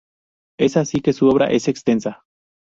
Es así que su obra es extensa.